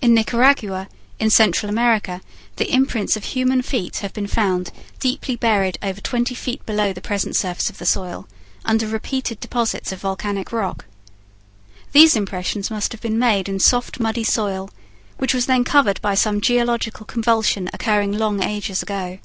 In Nicaragua, in Central America, the imprints of human feet have been found, deeply buried over twenty feet below the present surface of the soil, under repeated deposits of volcanic rock. These impressions must have been made in soft muddy soil which was then covered by some geological convulsion occurring long ages ago.